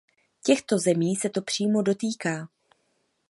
Těchto zemí se to přímo dotýká.